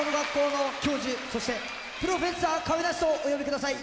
そして「プロフェッサー亀梨」とお呼びください。